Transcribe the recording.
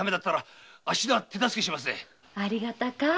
ありがたか。